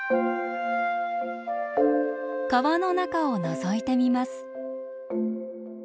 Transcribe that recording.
川の中をのぞいてみます。